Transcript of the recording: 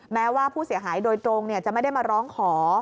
แม้ว่าผู้เสียหายโดยตรงจะไม่ได้มาร้องขอ